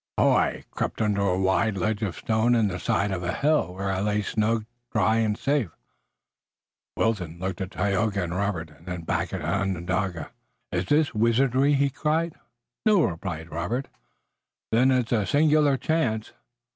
"I crept under a wide ledge of stone in the side of a hill, where I lay snug, dry and safe." Wilton looked at Tayoga and Robert, and then back at the Onondaga. "Is this wizardry?" he cried. "No," replied Robert. "Then it's singular chance."